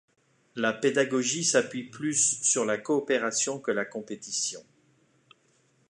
La pédagogie s’appuie plus sur la coopération que la compétition.